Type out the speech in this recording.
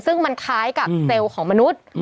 ซึ่งมันคล้ายกับเซลล์ของมนุษย์